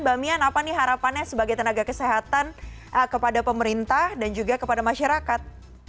mbak mian apa nih harapannya sebagai tenaga kesehatan kepada pemerintah dan juga kepada masyarakat